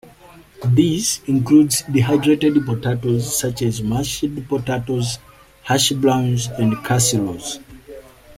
This includes dehydrated potatoes such as mashed potatoes, hash browns, and casseroles.